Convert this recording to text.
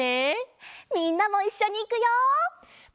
みんなもいっしょにいくよ！